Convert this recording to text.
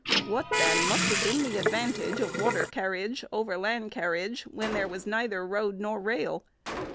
What, then, must have been the advantage of water carriage over land carriage when there was neither road nor rail?